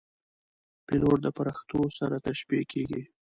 پیلوټ د پرښتو سره تشبیه کېږي.